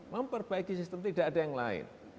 memperbaiki sistem tidak ada yang lain